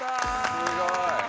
すごい！